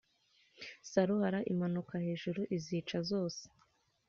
Saruhara imanuka hejuru izica zose.